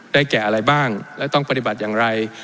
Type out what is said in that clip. แก่อะไรบ้างและต้องปฏิบัติอย่างไร